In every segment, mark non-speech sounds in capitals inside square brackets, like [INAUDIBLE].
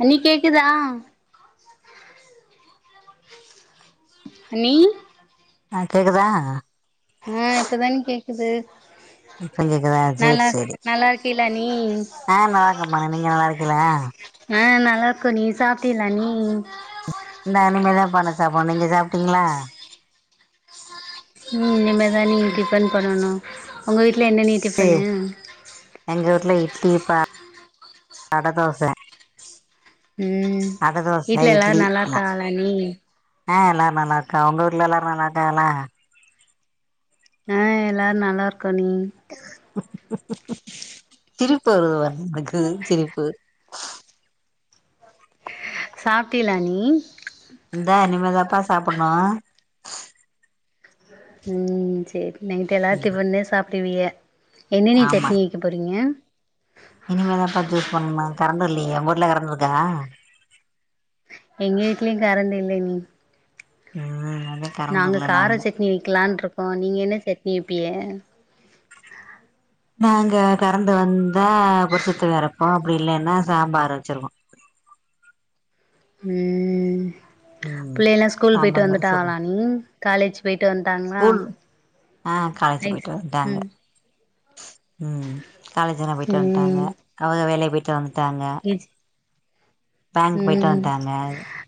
அண்ணி கேக்குதா அண்ணி ஆ கேக்குதா ஆ இப்பதாண்ணி கேக்குது இப்ப கேக்குதா சேரி நானா சேரி நல்லா இருக்கீலாண்ணி ஆ நல்லா இருக்கம்பா நீங்க நல்லா இருக்கீலா ஆ நல்லா இருக்கோ நீ சாப்டீலாண்ணி இந்தா இனிமேதாம்பா நா சாப்புன்னோ நீங்க சாப்ட்டீங்லா ம் இனிமேதாணி டிஃபன் பண்ணணோ உங்க வீட்ல என்னண்ணி சி டிஃபனு எங்க வூட்டுல இட்லி பா அட தோச ம் அட தோச வீட்ல எல்லாரு இட்லி நல்லா எல்லா இருக்காங்லாண்ணி ஆ எல்லாரு நல்லா இருக்காவ உங்க ஊர்ல எல்லாரு நல்லா இருக்காகலா ஆ எல்லாரு நல்லா இருக்கோ நீ சிரிப்பு வருது வாரு னக்கு சிரிப்பு சாப்டியிலா அண்ணி இந்தா இனிமேதாப்பா சாப்டண்ணும் ம் சேரி நைட்டு எல்லா டிபன்தா சாப்டுவிய என்னென்னி ஆமா சட்னி வக்க போறீங்க இனிமேதாப்பா ஜூஸ் பண்ணும் கறண்டு இல்லய உங்க ஊர்ல கறண்டு இருக்கா எங்க வீட்டிலயும் கறண்டு இல்ல அண்ணி ம் அதா நாங்க கார சட்னி வெக்கலான்ருக்கோம் நீங்க என்ன சட்னி வப்பிய நாங்க கறந்து வந்தா புரசத்து வறப்போம் அப்டி இல்லன்னா சாம்பார வச்சிருவோம் ம் ம் புள்ளய எல்லாம் ஸ்கூல் போயிட்டு சாம்பார் மாரி சொ வந்துட்டாகலா அண்ணி காலேஜ் போயிட்டு வன்ட்டாங்ளா ஸ்கூல் ஆ காலேஜ் போயிட்டு வந்ட்டாங்க ம் காலேஜெல்லாம் போய்ட்டு வந்ட்டாங்க ம் அவக வேலய போய்ட்டு வந்ட்டாங்க ஏஜ் பேங்க் போயிட்டு ம் வந்ட்டாங்க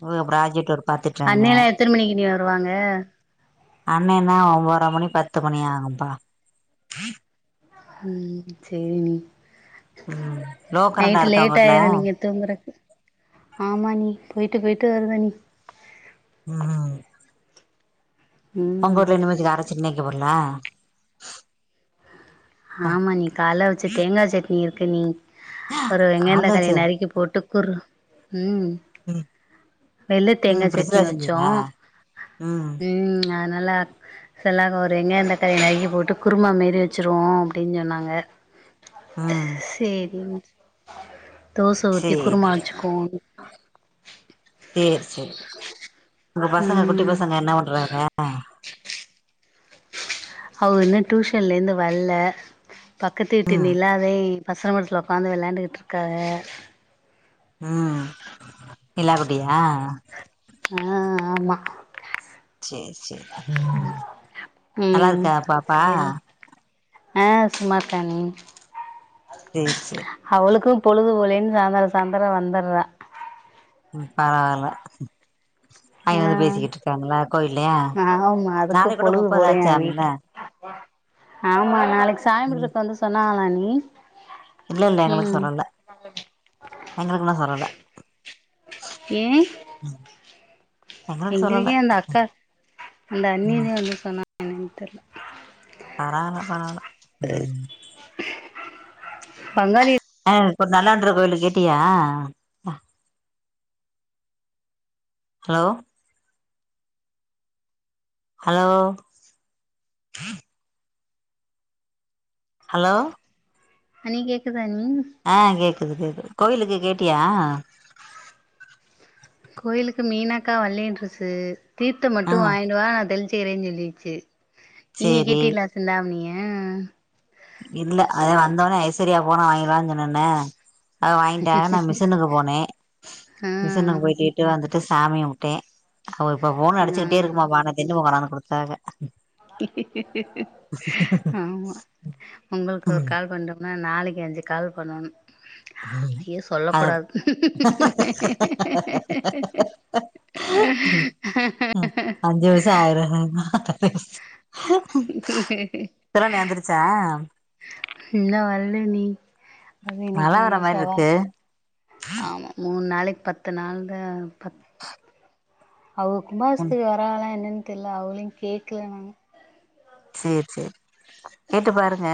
இவக ப்ராஜெட் ஒர்க் பாத்துட்றாங்க அண்ணேலா எத்தன மணிக்கு அண்ணி வருவாங்க அண்ணன்னா ஒம்பதர மணி பத்து மணி ஆகும்ப்பா ம் ம் லோ கரண்டா சேரிண்ணிநைட்டு் இருக்கா உங்க லேட் வூட்ல ஆயிர நீங்க தூங்குறக்கு ஆமா அண்ணி போய்ட்டு போய்ட்டு வருத அண்ணி [INAUDIBLE] ம் உங்கவீட்டுல [UNINTELLIGIBLE] ஆமா அண்ணி காலவச்ச தேங்காய் சட்னி இருக்கு அண்ணி ஒரு கால்ல வெங்கயதக்காளி வச்சது நறுக்கி போட்டு [UNINTELLIGIBLE] ம் உம் வெள்ள தேங்காய் சட்னி வச்சோம் ம் அதனால [UNINTELLIGIBLE] ஒரு வெங்காயதக்காளி நறுக்கி போட்டு குருமா மாறி வச்சு [UNINTELLIGIBLE] அப்படின்னு சொன்னாங்க ம் சேரிண்ணி தோசை ஊத்தி குருமா சேரி வச்சுக்கோ சேரி சேரி உங்க பசங்க குட்டி ம் பசங்க என்ன பண்றாங்க அவக இன்னும் டியூஷன்ல இருந்து வரல பக்கத்து வீட்டு ம் நிலாதே [UNINTELLIGIBLE] உக்காந்து வெளையாண்டுக்கிட்டுருக்காங்க ம் நிலா குட்டியா ஆ ஆமா சேரி சேரி ம் நல்லா ம் இருக்கா பாப்பா சேரி ஆ சும்மா இருக்கா அண்ணி [INAUDIBLE] அவளுக்கு பொழுதுபோலைன்னு சாயந்தர -சாயந்திரம் வந்துடுறா பரவால அவங்க வந்து பேசிக்கிட்டு ஆ இருக்காங்களா கோயில்யா ஆமா அதுக்கு நாளை கூட பொழுது முப்பத போலயா ஆச்சு ஆம்ல வீட்ல ஆமா நாளைக்கு ம் [UNINTELLIGIBLE] வந்து சொன்னங்களா அண்ணி இல்ல- இல்ல எங்களுக்கு ம் சொல்லல எங்களுக்குல்லா சொல்லல ஏன் [INAUDIBLE] எங்களுக்கு சொல்லல எங்களுக்க அந்த அக்கா அந்த ம் அண்ணியதே வந்து சொன்னா என தெரியல பரவால பரவால ம் பங்காளி ஆ இப்ப நல்லாண்டற கோயிலு கேட்டியா ஹலோ ஹலோ ஹலோ அண்ணி கேக்குதா அண்ணி ஆ கேக்குது கேக்குது கோயிலுக்கு கேட்டியா கோயிலுக்கு மீனாக்கா வல்லனுருச்சு தீர்த்த ஆ மட்டு வாங்கிடுவா நா தெளிச்சுக்கறேன்னு சொல்லிச்சு நீங்க சேரி கேட்டிலா சிந்தாமணிய இல்ல அதே வந்தோன ஐஸ்வர்யா போனா வாங்கலான்னு சொன்னன அத வாங்கிட்டா நா மிஷினுக்கு போனே ஆ மிஷினுக்கு போய்ட்டு விட்டு வந்துட்டு சாமிகும்ட்டேன் அவ இப்ப போனு ஆ அடிச்சுக்கிட்டே இருக்குமா பானை தின் போகனாந்து கொடுத்தாங்க ஆமா உங்களுக்கு ஒரு கால் பண்றம் ஆ நாளைக்கு அஞ்சு கால் பண்ணணு ஐயோ சொல்ல அத கூடாது [UNINTELLIGIBLE] அஞ்சுவருசம் ஆயிருனா இப்ப தான எந்துருச்ச இன்னு வரலண்ணி அது மழ இன்னிக்கு வர மாரி செவ்வா இருக்கு ஆமா மூணு நாளைக்கு பத்து நாள்து [INAUDIBLE] அவுக ம் கும்பாசத்துக்கு வரகால என்னன்னு தெர்ல அவங்களையு கேக்ல நாங்க செர் செர் கேட்டு பாருங்க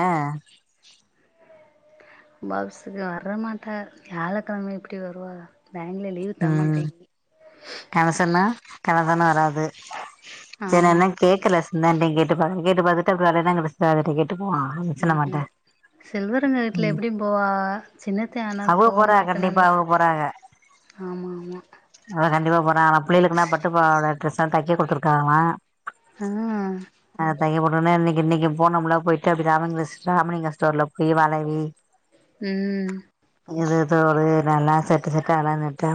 கும்பாவிசதுக்கு வரமாட்டாரு வியாழக்கெழம எப்டி வருவா பேங்க்ல லீவ் தரமாட்டேங் கனசண்ண கனகண்ணவராது ஆமா ஏன்னன்ன கேக்கல சின்ணன்ணடயு கேட்டு பாரு கேட்டு பாத்துட்டு அப்ற வரனா ம் [UNINTELLIGIBLE] செல்வரங்க வீட்ல எப்டி போவா சின்னத்தையான அவுக போறா கோவாம இருக் கண்டிப்பா அவக போறாக ஆமாமா அத கண்டிப்பா போற ஆனா புள்ளைக்குனா பட்டுப்பவாட டிரஸ் எல் தக்க குடுத்துருக்காங்களா ம் அய ஒடனே இன்னிக்கு இன்னிக்கு போனம்ல போயிட்டு அப்ப ராமங்க ராமிங்க ஸ்டோர்ல போய் வாளவி ம் இது எதோ வளயல் எல்லா செட்டு செட்ட ஆள நட்ட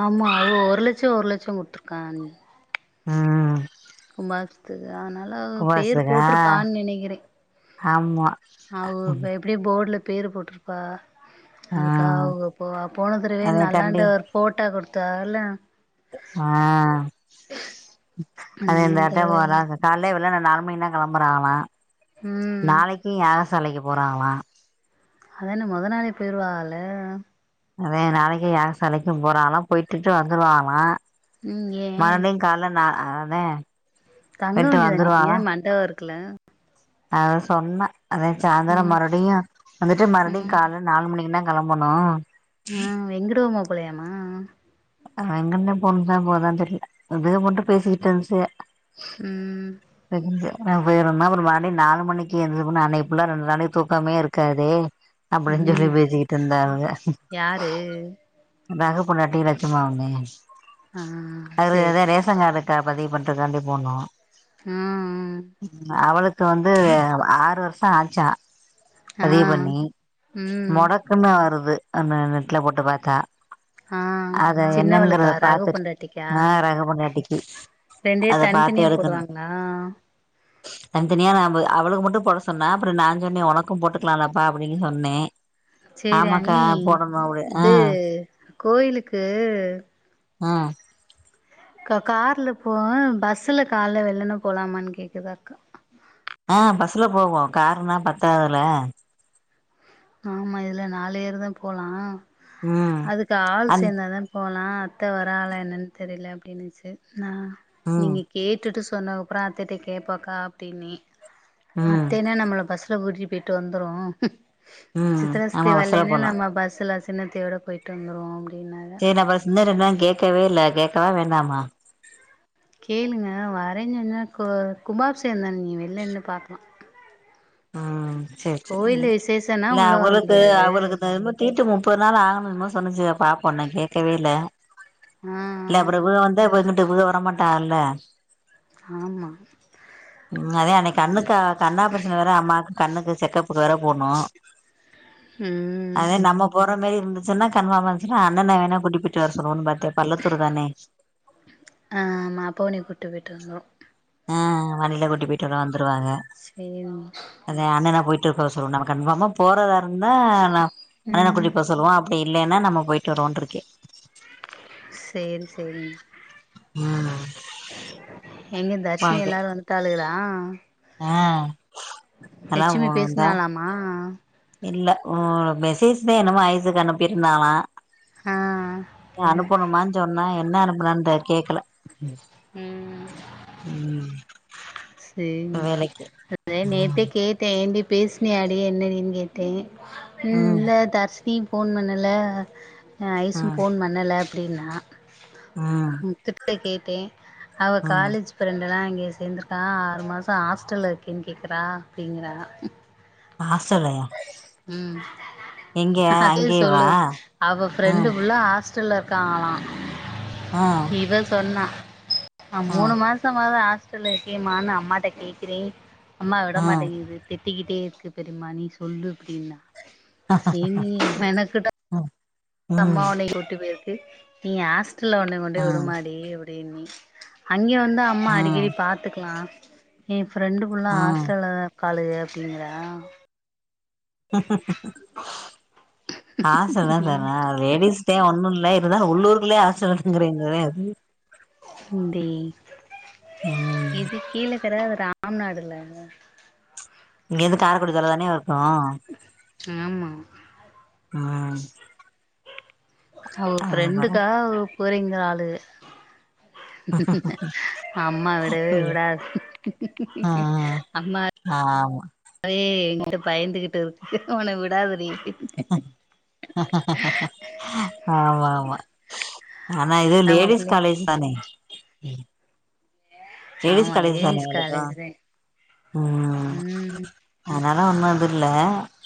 ஆமா அது ஒரு லட்சம் ஒரு லட்சம் குடுத்துருக்காங்க அ கும்பாபசுதுக்கு அனால பேர் கும்பாபிஷேகா போட்ருப்பான்னு நெனைக்கறே ஆமா அவ எப்டியு போடுல பேரு போட்டிருப்பா ஆ அதுக்காவ அவுக போவா போன தரவயே அதே காண்டி நல்லாண்டவர் போட்டா குடுத்தாகல்ல ஆ அந்த அது மாரி இந்த எந்தாட்ட தடவ போற எதா கால்ல வெளன நாலு மணி தா களம்பறா அவன் ம் நாளக்கீ யாகசாலைக்கு போறாங்களா அதென்ன மொத நாளே போய்ருவாகல்ல அதா நாளைக்கு யாகசாலைக்கு போறாங்களா போயிட்டுட்டு வந்துருவாங்களா ம் ஏ மார்னிங் கால நா ஆனே தங்க வேண்டிதான அன்னிக்கு ஏ மண்டபோ இருக்குல அத சொன்னா அத சாந்தரோ ம் மறுபடியு வந்துட்டு மறுடியு ம் கால நாலு மணிக்குனா கெளம்பனு உம் வெங்கடவு மாப்ளயாம்மா அங்கருந்துதா பொண்ணு போ போதான்னு தெரில இது மட்டு பேசிக்கிட்டு இருந்துச்சு ம் செரிங்க நா போய்றென்னா அப்றோ மணி நாலு மணிக்கு எழுந்து போன்னா அன்னிக்கு ஃபுல்லா ரெண்டு நாளைக்கு தூக்கமே இருக்காதே அப்டின்னு சொல்லி ம் பேசிக்கிட்டுருந்தாங்க யாரு ரகு பொண்டாட்டி லட்சுமாவுண்ணே ஆ அது சேரி ஏ சேரி ரேஷன் கார்டு க பதிவு பண்றக்காண்டி போனோ உம் அவளுக்கு வந்து ஆறு வருஷோ ஆச்சா ஆ ஆ பதிவு பண்ணி ம் முடக்குன்னு வருது அந்த நெட்டு்ல போட்டு பாத்தா ஆ அத சின்னவளுக்கா என்னங்கறத ரகு பாத்துட்டு பொண்டாட்டிக்கா ஆ ரகபண்டாட்டிக்கு ரெண்டெர் அத தனித தனியா போடுவாங்களா தனியா தனியா ந அவளுக்கு மட்டும் போட சொன்னா அப்றோ நா சொன்னே உனக்கும் போட்டுக்கலாம்ப்பா அப்டின்னு சொன்னே செரி ஆமாக்கா அண்ணி போடணு அப்டி ஆ இது கோயிலுக்கு அ க கார்ல போம் பஸ்ல காலல வெள்ளன்ன போலாமான்னு கேக்குது அக்கா ஆ பஸ்ல போவோ காருன்னா பத்தாதுல ஆமா இதுல நாலு ஏர் தா போலா ம் அதுக்கு ஆள் அந் சேர்ந்தாதான் போலாம் அத்த வரலா என்னன்னு தெரியல அப்படின்னுச்சு நா ம் நீங்கெ கேட்டுட்டு சொன்னக்கப்பறோ அத்தகிட்ட கேட்போக்கா அப்டின்னே ம் அத்தைனா நம்மள பஸ் ட்டு கூட்டிட்டு போயிட்டு வந்துரு ம் சித்ரா சித்தி ஆமா பஸ்ல வர்லைன்னா போலா நம்ம பஸ்ஸல சின்னத்தையோட போயிட்டு வந்துருவோம் அப்டின்னாக என்னப்பா சுந்தரோ கேக்கவே இல்ல கேக்கவா வேண்டாமா கேளுங்க வரெஞ் சொன்னாகோ கும்பாபிஷேகம் தான அண்ணி வெளில நின்னு பார்க்கலாம் ஆ சேர் சேரி கோயில்ல விசேஷன்னா இல்ல உள்ள வர அவளுக்கு முடியாது அவளுக்கு தகுந் கேட்டு முப்பது நாள் ஆகணு என்னம்மோ சொன்னுச்சு பாப்போம் நா கேக்கவேல்ல ஆ இல்லங்க ஆ அப்றோ இவுக வந்தா ‌ இவுகருந்துட்டு இவுக வரமாட்டாங்கல்ல ஆமா உம் இது மாதி அன்னிக்கு கண்ணுக்கு கண்ணா ஆப்ரெஷ இங்க வேற அம்மாக்கு கண்ணுக்கு செக்கப்புக்கு வேற போணும் உம் உம் அதே நம்ம போற மாரி இருந்துச்சுன்னா கன்ஃபார்ம் ஆச்சு‌ன்னா அண்ணன வேணா கூட்டிட்டு போட்டு வர சொல்வோ பாத்தேன் பள்ளத்தூர் தானே அ ஆமா அப்பாவே ஒன்ன கூட்டு போயிட்டு வந்துரு ஆ வண்டில கூட்டி போயிட்டு ல்லா வந்துருவாக சேர்வோ அத அண்ணன போயிட்டு இருபோ சொல்லோம் நம்ம கன்ஃபார்மா போறதா இருந்தா நா அண்ணன ம் கூட்டிட்டு போ சொல்வோ அப்டி இல்லேனா நம்ம போய்ட்டு வருவோன்ருக்கே சேரி சேரி ம் எங்க தர்ஷினி வாங்க எல்லாரு வந்துட்டாளுகளா ஆ நல்லா போ இந்தா மா இல்ல ஓ மெசேஸ் தே என்னமோ ஐஸ்ஸுக்கு அனுப்பி இருந்தாகளா ஆ அனுப்பனுமான் சொன்னா என்ன அனுப்புனான் தெ கேக்கல ம் ம் சேரி வேலைக்கு அதே நேத்தே ம் கேட் டே ஏன்டி பேஸ்னியாடி என்னடின் கேட்டே ம் இல்ல தர்ஷ் தி ஃபோன் பண்ணல அ ஐஸ்ஸும் ம் ஃபோன் பண்ணல அப்டின்னா ம் முத்து கிட்ட கேட்டே அவ ம் காலேஜ் ஃபிரண்டல்லா அங்கேயே சேந்துருக் தா ஆறு மாசோ ஹாஸ்டல்ல இருக்கேன் கேக்குறா அப்டிங்குறா ஹாஸ்டல்லயா ம் எங்க அதே அங்கேயேவா சொல்லுது அவ ஃப்ரண்டு ம் ஃபுள்ளா ஹாஸ் ஹாஸ்டல்லா இருக்காகலா ஆ இவ சொன்னா ஆ மூணு மாஸ் மாசமாவது ஹாஸ்டல்ல இருக்கேமான் அம்மாட்ட கேக்குறே அம்மா விட ஆ மாட்டிங்குது திட்டிக்கிட்டே இருக்கு தெரிமா நீ சொல்லு அப்டின்னா ஏன்டி மெனக்கெட்டு ம் ம் அம்மா ஒன்ன இங்க வுட்டு போயிருக்கு நீ ஹாஸ்டல்ல ஒன்ன கொண்டு ஆ போய் விடுமாடி அப்டின்னே அங்கே வந்து அம்மா ஆ அடிக்கடி பாத்துக்லா எ ஃப்ரெண்டு ஃபுல்லா ஆ ஹாஸ்டல்லதா இரு காளுக அப்பிடிங்கிறா ஹாஸ்டல்லா சேற்றா அது லேடிஸ்தே ஒன்னு இல்ல இருந்தாளு உள்ளூர்க்குள்ளயே ஹாஸ்டல் இருக்குங்குறீங்களே அது ம் டேய் ம் இது கீழக்கர அது ராம்நாடுல இங்க இருந்து காரைக்குடி தூரோந் தானே இருக்கு ஆமா ம் அவுக அதா பாருங்க ஃப்ரண்டுக்காக அவளுக போறேங்குறாளுக அம்மா விடவே ம் விடாது ஆ அம்மா ஆமா அதுவே எங்கிட்ட பயந்துகிட்டு இருக்கு ஒன விடாதுடி ஆமா ஆமா ஆனா இதே நம்ம லேடிஸ் பிள்ளை காலேஜு தானே லேடீஸ் ஆமா காலேஜ் தானே லேடிஸ் இவளுக்கு காலேஜ் தே ம் ம் அதனால ஒண்ணு இது இல்ல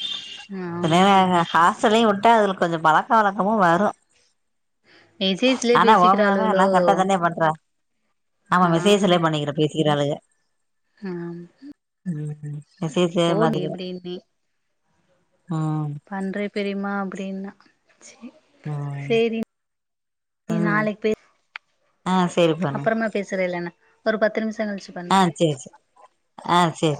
[UNINTELLIGIBLE] நேர ஆமா ஆக ஹாஸ்டல்லயு வுட்டா அதுல கொஞ்சோ பழக்க வழக்கமு வரு மெசேஜ்லயே ஆனா ஓ மக ஆனா பேசிக்கிறாளுகளோ கரட்டா தானே பண்றா ஆமா மெசேஜுல பண்ணிகிறுக்கு கிறாளுக ஹம் மெசேஜே பாத்துகிற இப்டின்னே ஹம் பண்றே பெரிமா அப்டின்னா சேரி ம் சேரி நீ ம் நாளைக் பேசு ஆ சேரி பண்ணு அப்றமா பேசுறலேன்ன ஒரு பத்து நிம்ஷோ கழ்ச்சி ஆ செரி செரி ஆ செரி